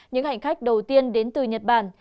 những hành khách đầu tiên đến từ nhật bản